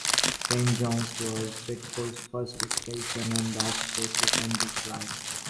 Saint Johns was Bedford's first station, on the Oxford to Cambridge line.